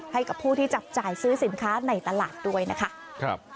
ให้กับผู้ที่จับจ่ายซื้อสินค้าในตลาดด้วยนะคะ